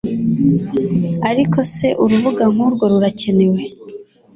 Ariko se urubuga nk'urwo ruracyenewe